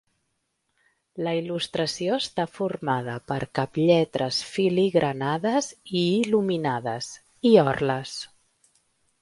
La il·lustració està formada per caplletres filigranades i il·luminades, i orles.